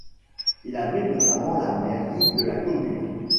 Il abrite notamment la mairie de la commune.